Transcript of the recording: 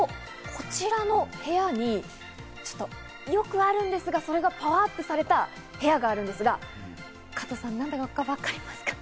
こちらの部屋によくあるんですが、それがパワーアップされた部屋があるんですが、加藤さん、なんだかわかりますか？